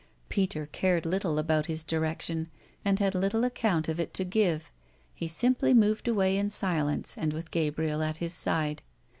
Peter cared little about his direction and had little account of it to give; he simply moved away in silence and with Gabriel at his side.